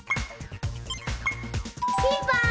ピンポーン！